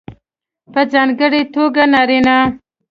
په ځانګړې توګه نارینه